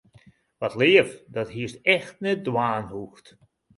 Wat leaf, dat hiest echt net dwaan hoegd.